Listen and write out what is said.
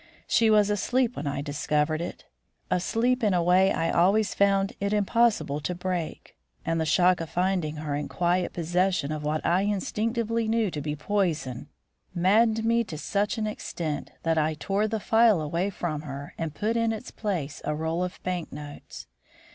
She was asleep when I discovered it; asleep in a way I always found it impossible to break, and the shock of finding her in quiet possession of what I instinctively knew to be poison maddened me to such an extent that I tore the phial away from her and put in its place a roll of bank notes.